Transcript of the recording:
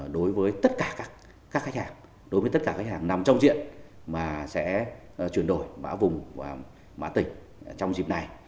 đối với tất cả các khách hàng đối với tất cả khách hàng nằm trong diện mà sẽ chuyển đổi mã vùng mã tỉnh trong dịp này